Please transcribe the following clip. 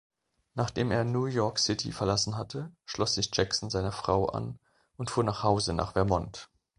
Nachdem er New York City verlassen hatte, schloss sich Jackson seiner Frau an und fuhr nach Hause nach Vermont.